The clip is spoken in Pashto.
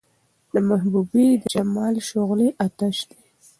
د محبوبې د جمال شغلې اۤتش دي